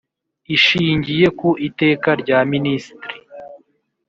Ishingiye ku Iteka rya Ministri